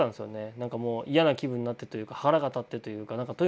なんかもう嫌な気分になってというか腹がたってというか。